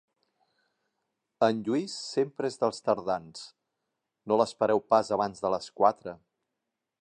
En Lluís sempre és dels tardans: no l'espereu pas abans de les quatre.